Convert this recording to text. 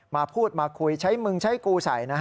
มาพูดมาคุยใช้มึงใช้กูใส่นะฮะ